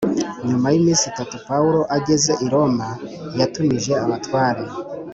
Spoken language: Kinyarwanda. Nyuma y’iminsi itatu Pawulo ageze i Roma yatumije abatware